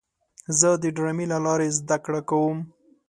زه د ډرامې له لارې زده کړه کوم.